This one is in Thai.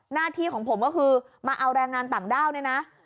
หน้าที่ของผมก็คือมาเอาแรงงานต่างด้าวเนี่ยนะ